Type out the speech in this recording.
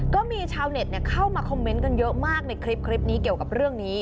ก็มีชาวเน็ตเข้ามาคอมเมนต์กันเยอะมากในคลิปนี้เกี่ยวกับเรื่องนี้